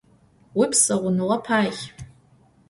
Vuipsaunığe paê!